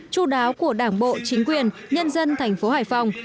chú đáo của đảng bộ chính quyền nhân dân thành phố hải phòng